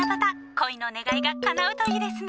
恋の願いがかなうといいですね！